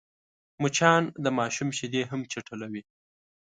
مچان د ماشوم شیدې هم چټلوي